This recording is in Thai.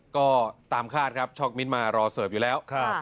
ก็ตามคาดครับช็อกมิ้นมารอเสิร์ฟอยู่แล้ว